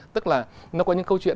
tức là nó có những câu chuyện